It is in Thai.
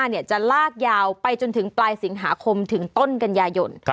จะลากยาวไปจนถึงปลายสิงหาคมถึงต้นกันยายน